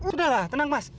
sudahlah tenang mas